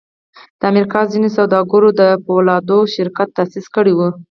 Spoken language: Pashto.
د امریکا ځینو سوداګرو د پولادو شرکت تاسیس کړی و